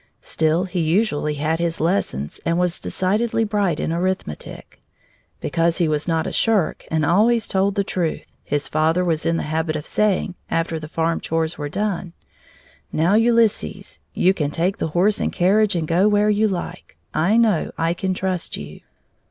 Still he usually had his lessons and was decidedly bright in arithmetic. Because he was not a shirk and always told the truth, his father was in the habit of saying, after the farm chores were done: "Now, Ulysses, you can take the horse and carriage and go where you like. I know I can trust you."